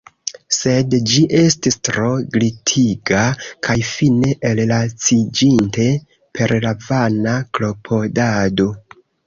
Sed ĝi estis tro glitiga; kaj fine, ellaciĝinte per la vana klopodado.